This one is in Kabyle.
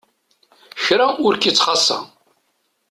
Kra ur k-itt-xasa.